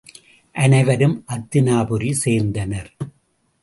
அனைவரும் அத்தினாபுரி சேர்ந்தனர்.